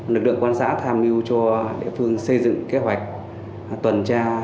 lực lượng quan xã tham mưu cho địa phương xây dựng kế hoạch tuần tra